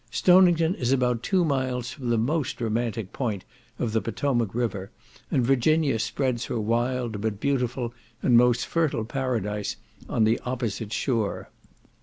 Stonington is about two miles from the most romantic point of the Potomac River, and Virginia spreads her wild, but beautiful, and most fertile Paradise, on the opposite shore.